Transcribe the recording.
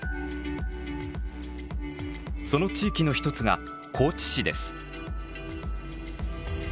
その地域の一つが高知市です。